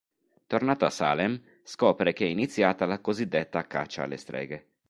Tornato a Salem scopre che è iniziata la cosiddetta caccia alle streghe.